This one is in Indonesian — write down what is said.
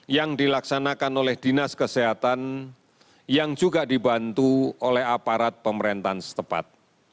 yang dilaksanakan oleh dinas kesehatan yang juga dibantu oleh aparat pemerintahan setepat